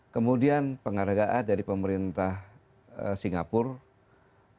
kemudian penghargaan dari pemerintah singapura